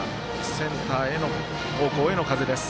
センター方向への風です。